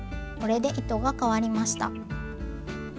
これで糸がかわりました。